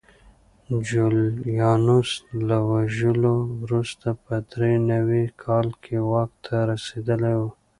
جولیانوس له وژلو وروسته په درې نوي کال کې واک ته رسېدلی و